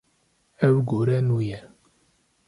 Ev gore nû ye.